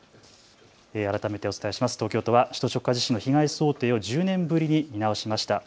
改めてお伝えします、東京都は首都直下地震の被害想定を１０年ぶりに見直しました。